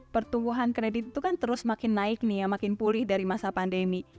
pertumbuhan kredit itu kan terus makin naik nih ya makin pulih dari masa pandemi